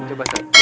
coba setat ya